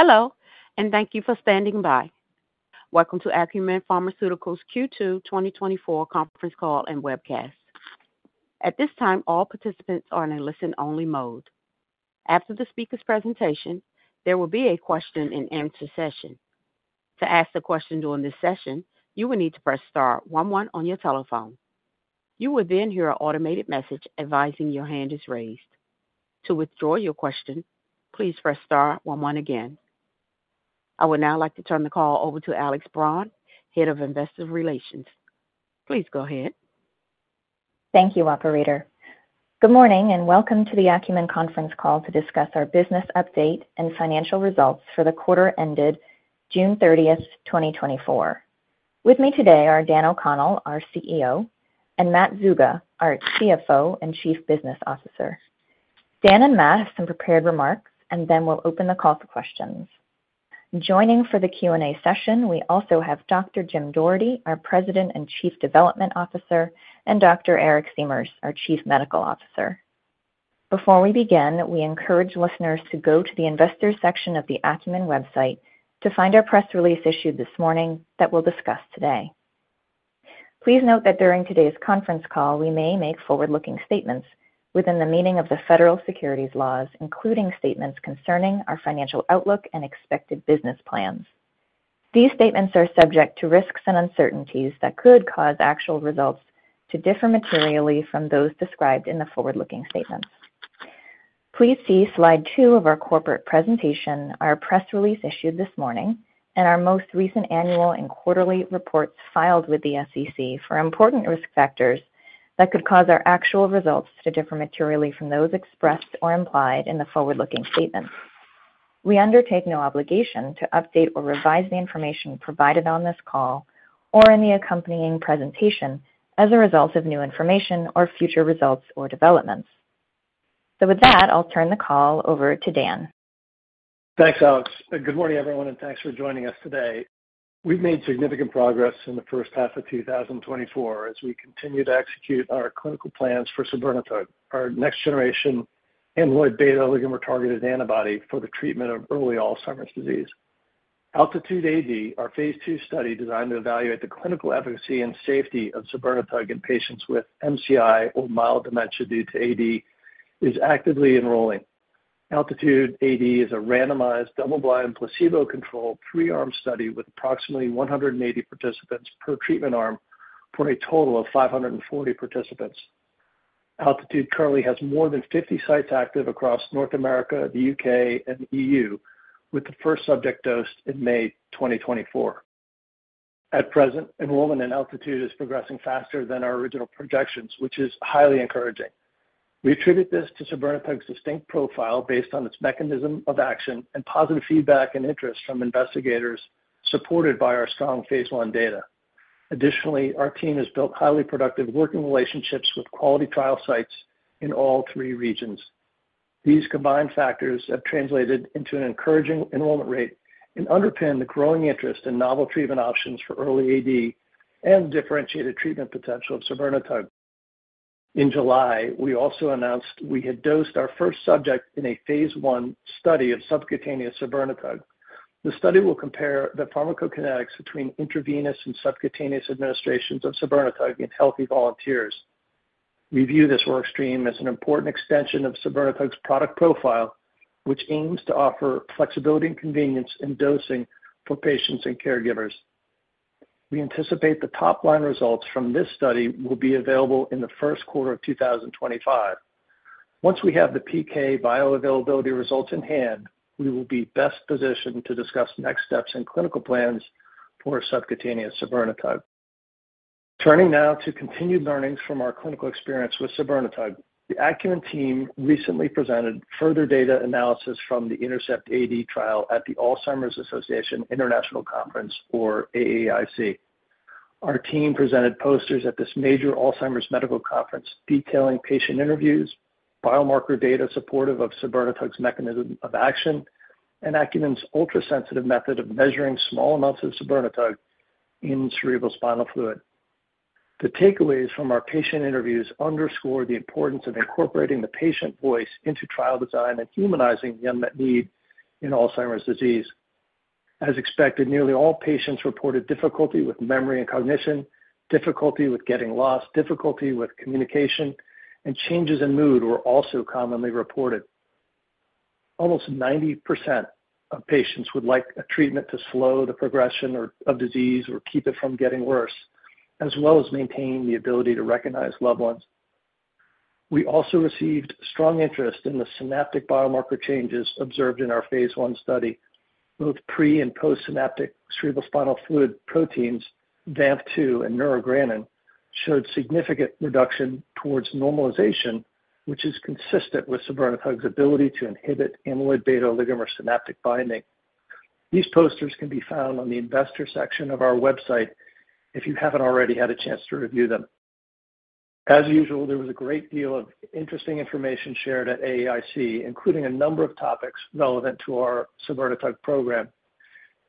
Hello, and thank you for standing by. Welcome to Acumen Pharmaceuticals' Q2 2024 conference call and webcast. At this time, all participants are in a listen-only mode. After the speaker's presentation, there will be a question-and-answer session. To ask a question during this session, you will need to press star one one on your telephone. You will then hear an automated message advising your hand is raised. To withdraw your question, please press star one one again. I would now like to turn the call over to Alex Braun, Head of Investor Relations. Please go ahead. Thank you, operator. Good morning, and welcome to the Acumen conference call to discuss our business update and financial results for the quarter ended June 30, 2024. With me today are Dan O'Connell, our CEO, and Matt Zuga, our CFO and Chief Business Officer. Dan and Matt have some prepared remarks, and then we'll open the call for questions. Joining for the Q&A session, we also have Dr. Jim Doherty, our President and Chief Development Officer, and Dr. Eric Siemers, our Chief Medical Officer. Before we begin, we encourage listeners to go to the Investors section of the Acumen website to find our press release issued this morning that we'll discuss today. Please note that during today's conference call, we may make forward-looking statements within the meaning of the federal securities laws, including statements concerning our financial outlook and expected business plans. These statements are subject to risks and uncertainties that could cause actual results to differ materially from those described in the forward-looking statements. Please see slide two of our corporate presentation, our press release issued this morning, and our most recent annual and quarterly reports filed with the SEC for important risk factors that could cause our actual results to differ materially from those expressed or implied in the forward-looking statements. We undertake no obligation to update or revise the information provided on this call or in the accompanying presentation as a result of new information or future results or developments. With that, I'll turn the call over to Dan. Thanks, Alex. Good morning, everyone, and thanks for joining us today. We've made significant progress in the first half of 2024 as we continue to execute our clinical plans for sabirnetug, our next-generation amyloid beta oligomer targeted antibody for the treatment of early Alzheimer's disease. ALTITUDE-AD, our phase two study designed to evaluate the clinical efficacy and safety of sabirnetug in patients with MCI or mild dementia due to AD, is actively enrolling. ALTITUDE-AD is a randomized, double-blind, placebo-controlled, three-arm study with approximately 180 participants per treatment arm for a total of 540 participants. ALTITUDE-AD currently has more than 50 sites active across North America, the U.K., and the E.U., with the first subject dosed in May 2024. At present, enrollment in ALTITUDE-AD is progressing faster than our original projections, which is highly encouraging. We attribute this to sabirnetug's distinct profile based on its mechanism of action and positive feedback and interest from investigators, supported by our strong Phase one data. Additionally, our team has built highly productive working relationships with quality trial sites in all three regions. These combined factors have translated into an encouraging enrollment rate and underpin the growing interest in novel treatment options for early AD and differentiated treatment potential of sabirnetug. In July, we also announced we had dosed our first subject in a Phase one study of subcutaneous sabirnetug. The study will compare the pharmacokinetics between intravenous and subcutaneous administrations of sabirnetug in healthy volunteers. We view this workstream as an important extension of sabirnetug's product profile, which aims to offer flexibility and convenience in dosing for patients and caregivers. We anticipate the top-line results from this study will be available in the first quarter of 2025. Once we have the PK bioavailability results in hand, we will be best positioned to discuss next steps in clinical plans for subcutaneous sabirnetug. Turning now to continued learnings from our clinical experience with sabirnetug. The Acumen team recently presented further data analysis from the INTERCEPT-AD trial at the Alzheimer's Association International Conference, or AAIC. Our team presented posters at this major Alzheimer's medical conference detailing patient interviews, biomarker data supportive of sabirnetug's mechanism of action, and Acumen's ultrasensitive method of measuring small amounts of sabirnetug in cerebrospinal fluid. The takeaways from our patient interviews underscore the importance of incorporating the patient voice into trial design and humanizing the unmet need in Alzheimer's disease. As expected, nearly all patients reported difficulty with memory and cognition, difficulty with getting lost, difficulty with communication, and changes in mood were also commonly reported. Almost 90% of patients would like a treatment to slow the progression or of disease or keep it from getting worse, as well as maintain the ability to recognize loved ones. We also received strong interest in the synaptic biomarker changes observed in our phase one study. Both pre and postsynaptic cerebrospinal fluid proteins, VAMP2 and Neurogranin, showed significant reduction towards normalization, which is consistent with sabirnetug's ability to inhibit amyloid beta oligomer synaptic binding. These posters can be found on the Investor section of our website if you haven't already had a chance to review them. As usual, there was a great deal of interesting information shared at AAIC, including a number of topics relevant to our sabirnetug program....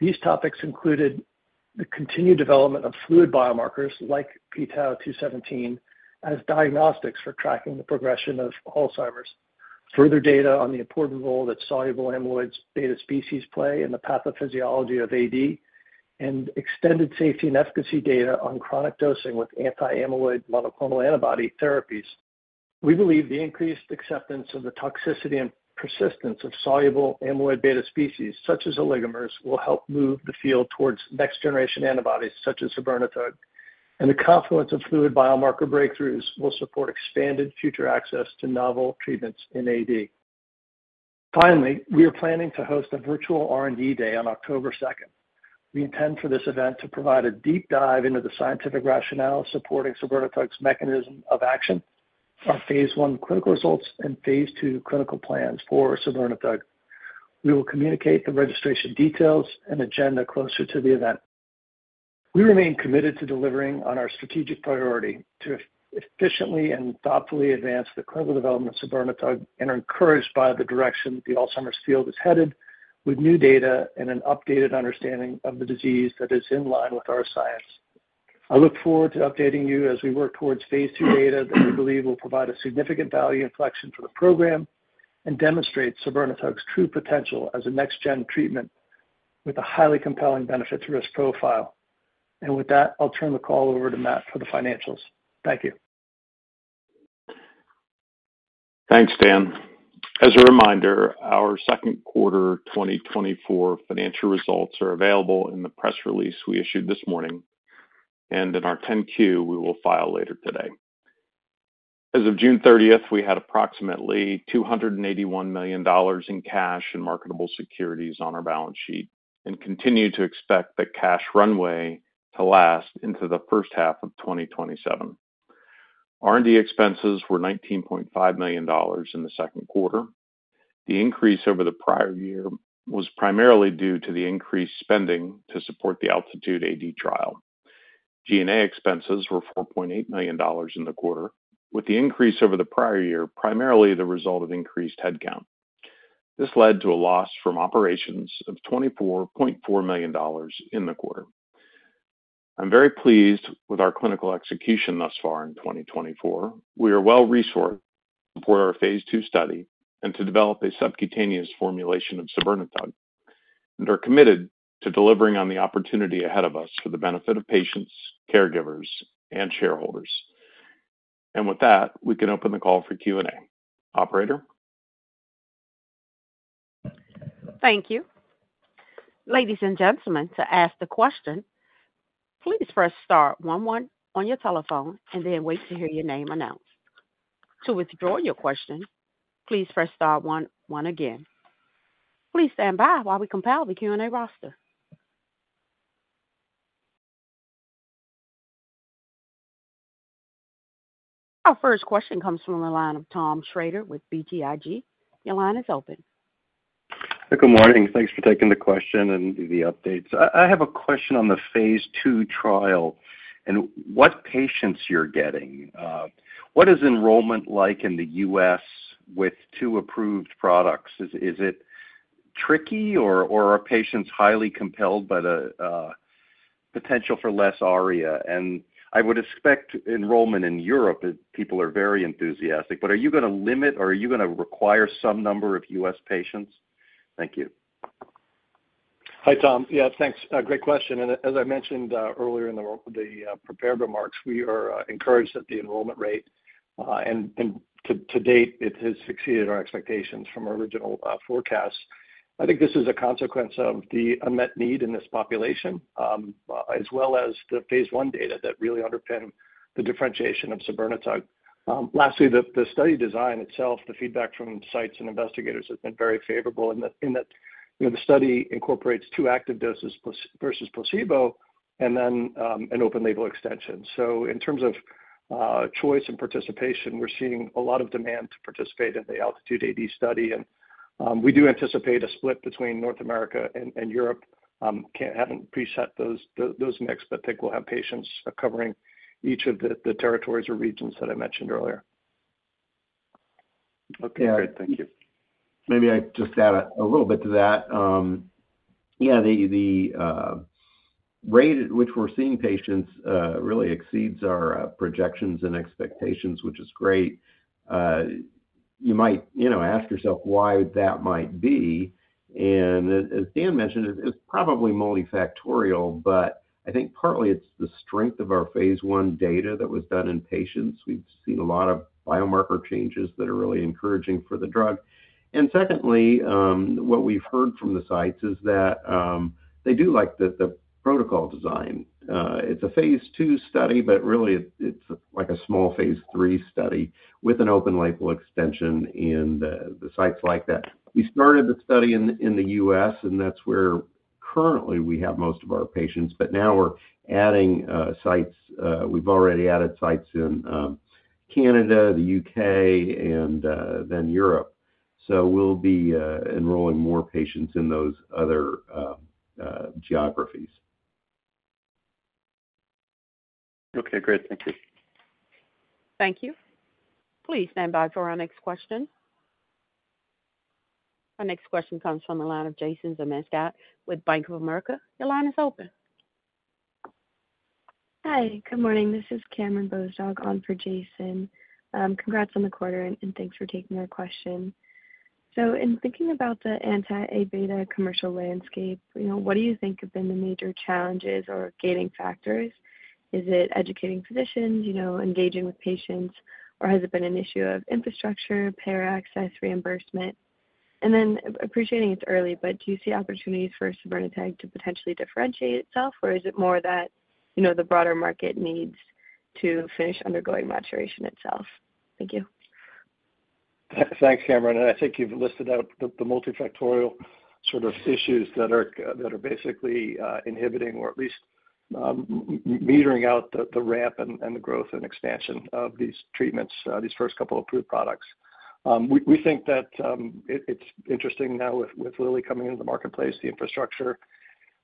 These topics included the continued development of fluid biomarkers, like p-tau217, as diagnostics for tracking the progression of Alzheimer's, further data on the important role that soluble amyloid beta species play in the pathophysiology of AD, and extended safety and efficacy data on chronic dosing with anti-amyloid monoclonal antibody therapies. We believe the increased acceptance of the toxicity and persistence of soluble amyloid beta species, such as oligomers, will help move the field towards next-generation antibodies, such as sabirnetug. And the confluence of fluid biomarker breakthroughs will support expanded future access to novel treatments in AD. Finally, we are planning to host a virtual R&D day on October second. We intend for this event to provide a deep dive into the scientific rationale supporting sabirnetug's mechanism of action, our phase 1 clinical results, and phase 2 clinical plans for sabirnetug. We will communicate the registration details and agenda closer to the event. We remain committed to delivering on our strategic priority to efficiently and thoughtfully advance the clinical development of sabirnetug and are encouraged by the direction the Alzheimer's field is headed, with new data and an updated understanding of the disease that is in line with our science. I look forward to updating you as we work towards phase two data that we believe will provide a significant value inflection for the program and demonstrate sabirnetug's true potential as a next gen treatment with a highly compelling benefit to risk profile. And with that, I'll turn the call over to Matt for the financials. Thank you. Thanks, Dan. As a reminder, our second quarter 2024 financial results are available in the press release we issued this morning and in our 10-Q, which we will file later today. As of June 30, we had approximately $281 million in cash and marketable securities on our balance sheet and continue to expect the cash runway to last into the first half of 2027. R&D expenses were $19.5 million in the second quarter. The increase over the prior year was primarily due to the increased spending to support the ALTITUDE-AD trial. G&A expenses were $4.8 million in the quarter, with the increase over the prior year primarily the result of increased headcount. This led to a loss from operations of $24.4 million in the quarter. I'm very pleased with our clinical execution thus far in 2024. We are well-resourced for our phase two study and to develop a subcutaneous formulation of sabirnetug, and are committed to delivering on the opportunity ahead of us for the benefit of patients, caregivers, and shareholders. With that, we can open the call for Q&A. Operator? Thank you. Ladies and gentlemen, to ask the question, please press star one one on your telephone and then wait to hear your name announced. To withdraw your question, please press star one one again. Please stand by while we compile the Q&A roster. Our first question comes from the line of Tom Shrader with BTIG. Your line is open. Good morning. Thanks for taking the question and the updates. I have a question on the phase two trial and what patients you're getting. What is enrollment like in the U.S. with two approved products? Is it tricky or are patients highly compelled by the potential for less ARIA? And I would expect enrollment in Europe, people are very enthusiastic, but are you gonna limit, or are you gonna require some number of U.S. patients? Thank you. Hi, Tom. Yeah, thanks. Great question, and as I mentioned earlier in the prepared remarks, we are encouraged at the enrollment rate, and to date, it has exceeded our expectations from our original forecasts. I think this is a consequence of the unmet need in this population, as well as the phase one data that really underpin the differentiation of sabirnetug. Lastly, the study design itself, the feedback from sites and investigators have been very favorable in that, you know, the study incorporates two active doses plus versus placebo and then an open-label extension. So in terms of choice and participation, we're seeing a lot of demand to participate in the ALTITUDE-AD study. And we do anticipate a split between North America and Europe. Haven't preset those, those mix, but I think we'll have patients covering each of the territories or regions that I mentioned earlier. Okay, great. Thank you. Maybe I just add a little bit to that. Yeah, the rate at which we're seeing patients really exceeds our projections and expectations, which is great. You might, you know, ask yourself why that might be, and as Dan mentioned, it's probably multifactorial, but I think partly it's the strength of our phase one data that was done in patients. We've seen a lot of biomarker changes that are really encouraging for the drug. And secondly, what we've heard from the sites is that they do like the protocol design. It's a phase two study, but really it's like a small phase three study with an open label extension, and the sites like that. We started the study in the U.S., and that's where currently we have most of our patients, but now we're adding sites. We've already added sites in Canada, the U.K., and then Europe. So we'll be enrolling more patients in those other geographies.... Okay, great. Thank you. Thank you. Please stand by for our next question. Our next question comes from the line of Jason Zemansky with Bank of America. Your line is open. Hi, good morning. This is Cameron Bozdog, on for Jason. Congrats on the quarter, and, and thanks for taking our question. So in thinking about the anti-A beta commercial landscape, you know, what do you think have been the major challenges or gating factors? Is it educating physicians, you know, engaging with patients, or has it been an issue of infrastructure, payer access, reimbursement? And then appreciating it's early, but do you see opportunities for sabirnetug to potentially differentiate itself, or is it more that, you know, the broader market needs to finish undergoing maturation itself? Thank you. Thanks, Cameron. I think you've listed out the multifactorial sort of issues that are basically inhibiting or at least metering out the ramp and the growth and expansion of these treatments, these first couple of approved products. We think that it's interesting now with Lilly coming into the marketplace, the infrastructure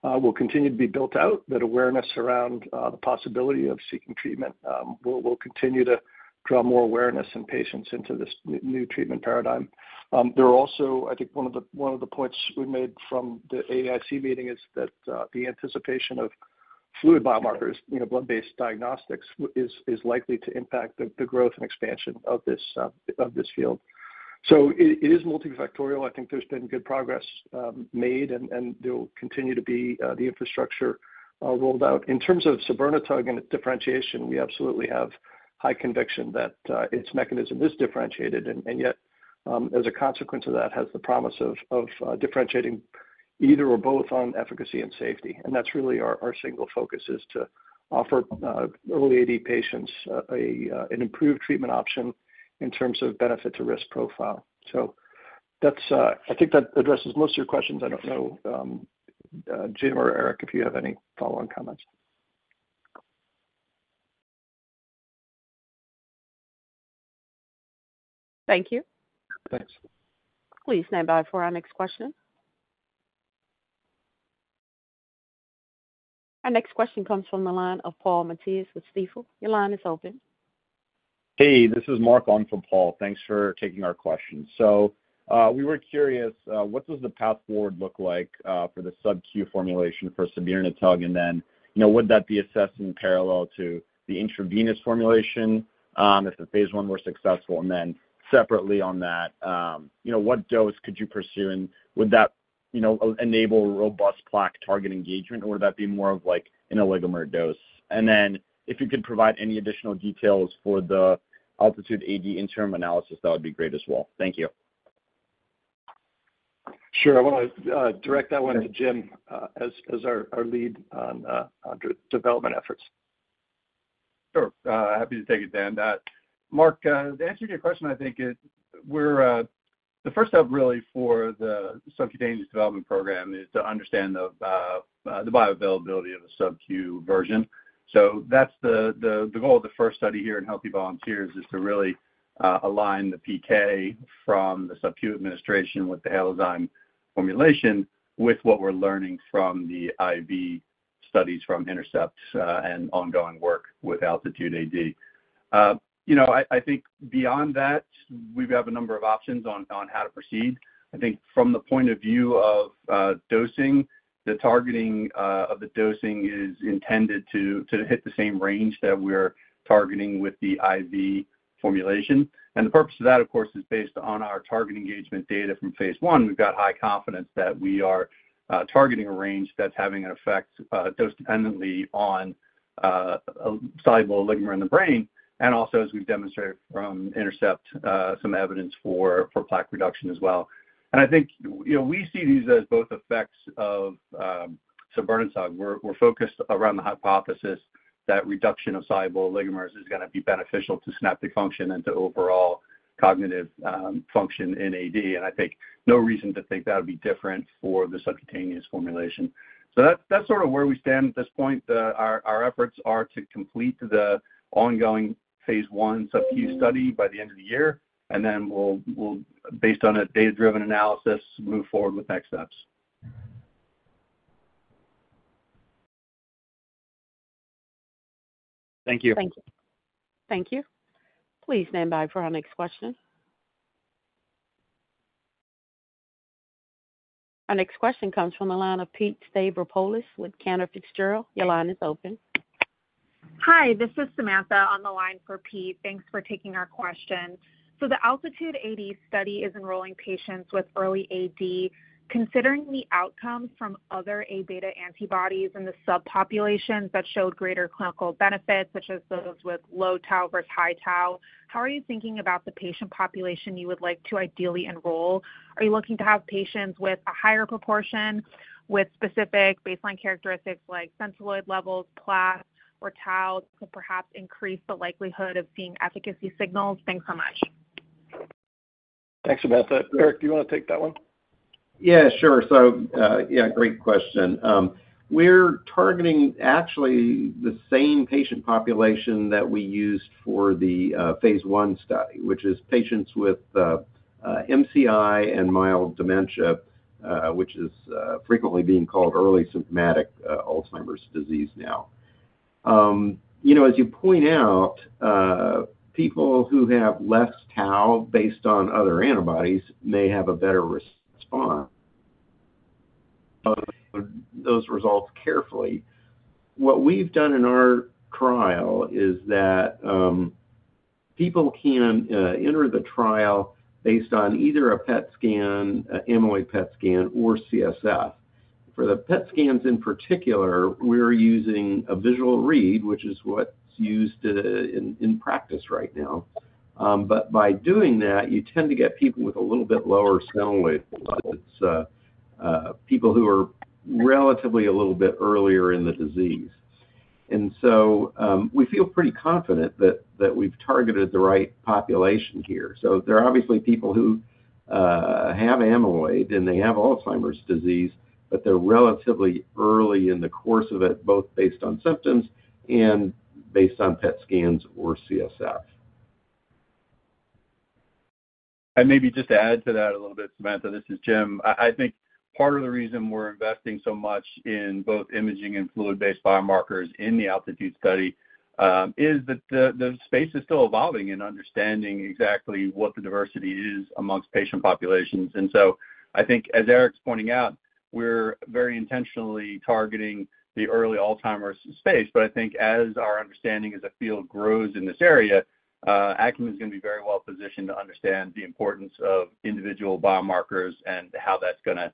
will continue to be built out, that awareness around the possibility of seeking treatment will continue to draw more awareness and patients into this new treatment paradigm. There are also, I think one of the points we made from the AAIC meeting is that the anticipation of fluid biomarkers, you know, blood-based diagnostics is likely to impact the growth and expansion of this field. So it is multifactorial. I think there's been good progress made and there will continue to be the infrastructure rolled out. In terms of sabirnetug and its differentiation, we absolutely have high conviction that its mechanism is differentiated and yet, as a consequence of that, has the promise of differentiating either or both on efficacy and safety. And that's really our single focus is to offer early AD patients an improved treatment option in terms of benefit to risk profile. So that's, I think that addresses most of your questions. I don't know, Jim or Eric, if you have any follow-on comments. Thank you. Thanks. Please stand by for our next question. Our next question comes from the line of Paul Matteis with Stifel. Your line is open. Hey, this is Mark, on for Paul. Thanks for taking our question. So, we were curious, what does the path forward look like, for the subQ formulation for sabirnetug? And then, you know, would that be assessed in parallel to the intravenous formulation, if the phase one were successful? And then separately on that, you know, what dose could you pursue, and would that, you know, enable robust plaque target engagement, or would that be more of like an oligomer dose? And then if you could provide any additional details for the ALTITUDE-AD interim analysis, that would be great as well. Thank you. Sure. I want to direct that one to Jim, as our lead on development efforts. Sure. Happy to take it, Dan. Mark, the answer to your question, I think is we're... The first step really for the subcutaneous development program is to understand the bioavailability of the subQ version. So that's the goal of the first study here in healthy volunteers, is to really align the PK from the subQ administration with the Halozyme formulation, with what we're learning from the IV studies from INTERCEPT-AD, and ongoing work with ALTITUDE-AD. You know, I think beyond that, we have a number of options on how to proceed. I think from the point of view of dosing, the targeting of the dosing is intended to hit the same range that we're targeting with the IV formulation. And the purpose of that, of course, is based on our target engagement data from Phase one. We've got high confidence that we are targeting a range that's having an effect dose-dependently on a soluble oligomer in the brain, and also, as we've demonstrated from Intercept, some evidence for plaque reduction as well. And I think, you know, we see these as both effects of sabirnetug. We're focused around the hypothesis that reduction of soluble oligomers is gonna be beneficial to synaptic function and to overall cognitive function in AD. And I think no reason to think that would be different for the subcutaneous formulation. So that's sort of where we stand at this point. Our efforts are to complete the ongoing phase one subQ study by the end of the year, and then we'll, based on a data-driven analysis, move forward with next steps. Thank you. Thank you. Thank you. Please stand by for our next question. Our next question comes from the line of Pete Stavropoulos with Cantor Fitzgerald. Your line is open. Hi, this is Samantha on the line for Pete. Thanks for taking our question. The ALTITUDE-AD study is enrolling patients with early AD. Considering the outcomes from other A-beta antibodies in the subpopulations that showed greater clinical benefits, such as those with low tau versus high tau, how are you thinking about the patient population you would like to ideally enroll? Are you looking to have patients with a higher proportion, with specific baseline characteristics like Centiloid levels, plaque, or tau, to perhaps increase the likelihood of seeing efficacy signals? Thanks so much. Thanks, Samantha. Eric, do you want to take that one? Yeah, sure. So, yeah, great question. We're targeting actually the same patient population that we used for the phase one study, which is patients with MCI and mild dementia, which is frequently being called early symptomatic Alzheimer's disease now. You know, as you point out, people who have less tau based on other antibodies may have a better response. Those results carefully. What we've done in our trial is that people can enter the trial based on either a PET scan, an amyloid PET scan, or CSF. For the PET scans in particular, we're using a visual read, which is what's used in practice right now. But by doing that, you tend to get people with a little bit lower centiloid. It's people who are relatively a little bit earlier in the disease. And so, we feel pretty confident that we've targeted the right population here. So there are obviously people who have amyloid, and they have Alzheimer's disease, but they're relatively early in the course of it, both based on symptoms and based on PET scans or CSF. And maybe just to add to that a little bit, Samantha, this is Jim. I, I think part of the reason we're investing so much in both imaging and fluid-based biomarkers in the altitude study is that the space is still evolving and understanding exactly what the diversity is among patient populations. And so I think, as Eric's pointing out, we're very intentionally targeting the early Alzheimer's space. But I think as our understanding as a field grows in this area, Acumen is gonna be very well positioned to understand the importance of individual biomarkers and how that's gonna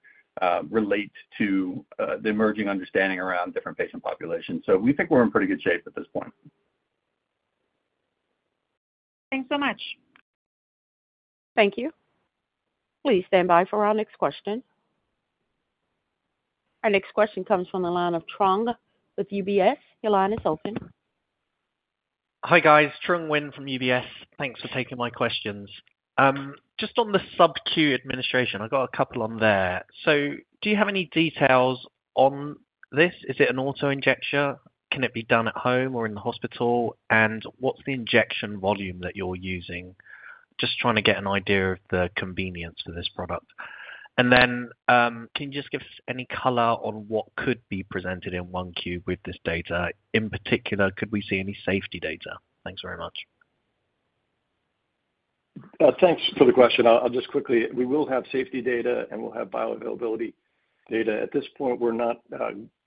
relate to the emerging understanding around different patient populations. So we think we're in pretty good shape at this point. Thanks so much. Thank you. Please stand by for our next question. Our next question comes from the line of Truong with UBS. Your line is open. Hi, guys, Truong Nguyen from UBS. Thanks for taking my questions. Just on the subQ administration, I've got a couple on there. So do you have any details on this? Is it an autoinjector? Can it be done at home or in the hospital? And what's the injection volume that you're using? Just trying to get an idea of the convenience for this product. And then, can you just give us any color on what could be presented in 1Q with this data? In particular, could we see any safety data? Thanks very much. Thanks for the question. I'll just quickly—we will have safety data, and we'll have bioavailability data. At this point, we're not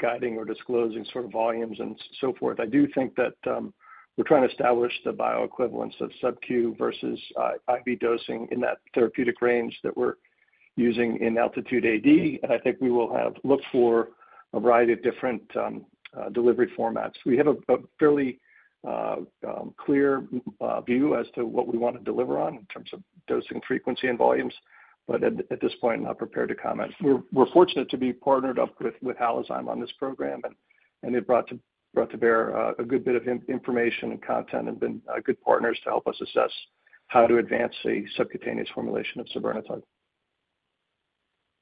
guiding or disclosing sort of volumes and so forth. I do think that we're trying to establish the bioequivalence of subQ versus IV dosing in that therapeutic range that we're using in ALTITUDE-AD. And I think we will have look for a variety of different delivery formats. We have a fairly clear view as to what we wanna deliver on in terms of dosing frequency and volumes, but at this point, I'm not prepared to comment. We're fortunate to be partnered up with Halozyme on this program, and they've brought to bear a good bit of information and content and been good partners to help us assess how to advance a subcutaneous formulation of sabirnetug.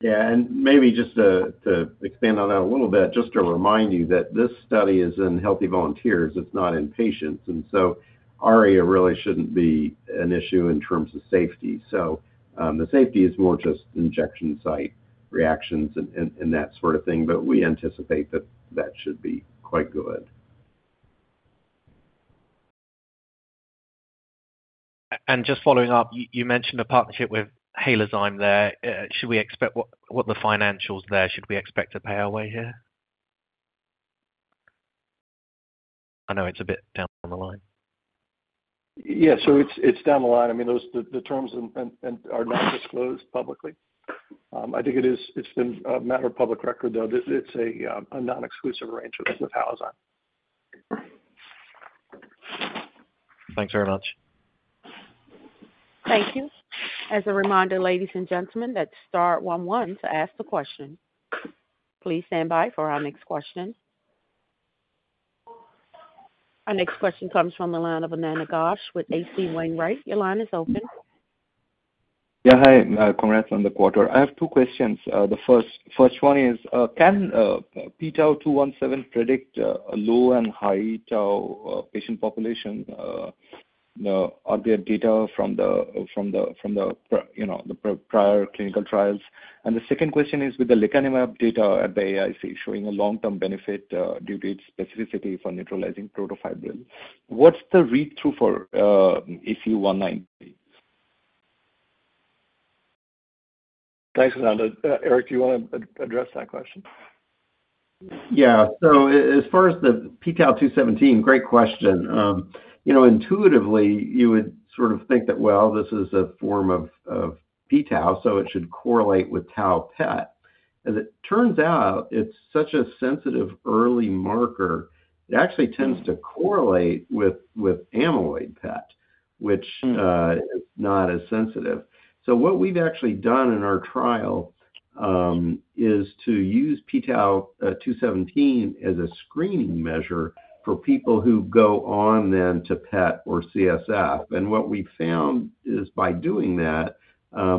Yeah, and maybe just to expand on that a little bit, just to remind you that this study is in healthy volunteers. It's not in patients. And so ARIA really shouldn't be an issue in terms of safety. So, the safety is more just injection site reactions and that sort of thing, but we anticipate that that should be quite good. Just following up, you mentioned a partnership with Halozyme there. Should we expect what the financials there, should we expect to pay our way here? I know it's a bit down the line. Yeah, so it's, it's down the line. I mean, the terms and are not disclosed publicly. I think it is, it's been a matter of public record, though. It's a non-exclusive arrangement with Halozyme. Thanks very much. Thank you. As a reminder, ladies and gentlemen, that's star one one to ask the question. Please stand by for our next question. Our next question comes from the line of Ananda Ghosh with H.C. Wainwright. Your line is open. Yeah, hi, congrats on the quarter. I have two questions. The first one is, can p-tau217 predict a low and high tau patient population? Are there data from the prior clinical trials, you know? And the second question is, with the lecanemab data at the AAIC showing a long-term benefit, due to its specificity for neutralizing protofibril, what's the read-through for ACU193? Thanks, Ananda. Eric, do you wanna address that question? Yeah. So as far as the p-tau217, great question. You know, intuitively, you would sort of think that, well, this is a form of p-tau, so it should correlate with tau PET. As it turns out, it's such a sensitive early marker, it actually tends to correlate with amyloid PET, which- Mm. is not as sensitive. So what we've actually done in our trial is to use p-tau 217 as a screening measure for people who go on then to PET or CSF. And what we've found is by doing that,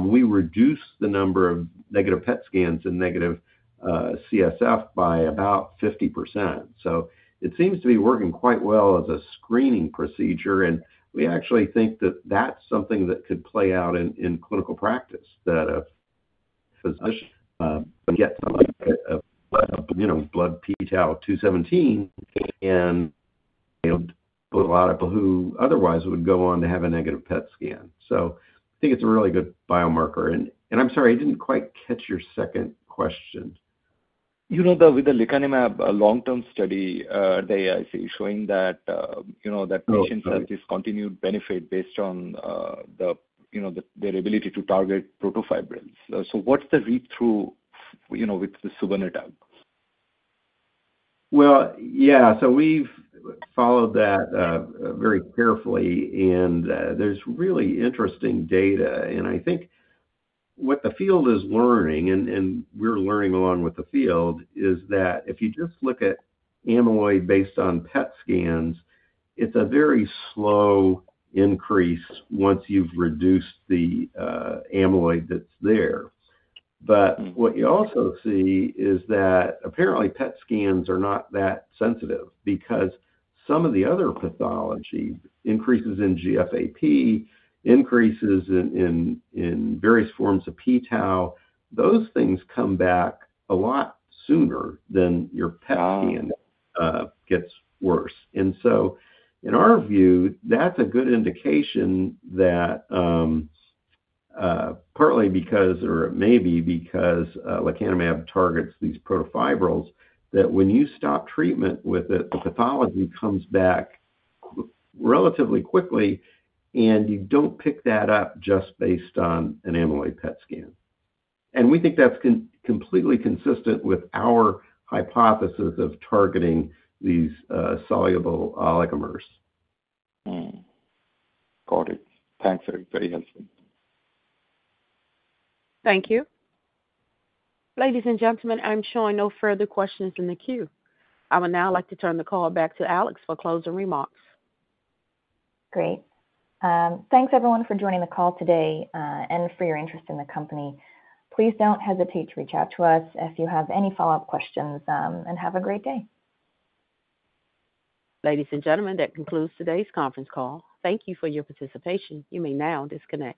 we reduce the number of negative PET scans and negative CSF by about 50%. So it seems to be working quite well as a screening procedure, and we actually think that that's something that could play out in clinical practice, that a physician, but yet a, a, you know, blood p-tau 217, and, you know, a lot of people who otherwise would go on to have a negative PET scan. So I think it's a really good biomarker. And, I'm sorry, I didn't quite catch your second question. You know, with the lecanemab, a long-term study, they are showing that, you know, that- No, no patients have this continued benefit based on, you know, their ability to target protofibrils. So what's the read-through, you know, with the sabirnetug? Well, yeah. So we've followed that very carefully, and there's really interesting data. And I think what the field is learning, and we're learning along with the field, is that if you just look at amyloid based on PET scans, it's a very slow increase once you've reduced the amyloid that's there. But what you also see is that apparently, PET scans are not that sensitive because some of the other pathology increases in GFAP, increases in various forms of p-tau. Those things come back a lot sooner than your PET scan gets worse. So in our view, that's a good indication that, partly because, or it may be because, lecanemab targets these protofibrils, that when you stop treatment with it, the pathology comes back relatively quickly, and you don't pick that up just based on an amyloid PET scan. We think that's completely consistent with our hypothesis of targeting these soluble oligomers. Hmm. Got it. Thanks, very, very helpful. Thank you. Ladies and gentlemen, I'm showing no further questions in the queue. I would now like to turn the call back to Alex for closing remarks. Great. Thanks, everyone, for joining the call today, and for your interest in the company. Please don't hesitate to reach out to us if you have any follow-up questions, and have a great day. Ladies and gentlemen, that concludes today's conference call. Thank you for your participation. You may now disconnect.